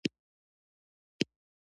ماته معلومه دي د ښځو ټول مکرونه